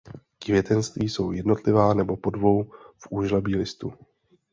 Květenství jsou jednotlivá nebo po dvou v úžlabí listů.